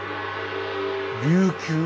「琉球」？